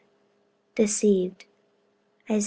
8. Deceived, Isa.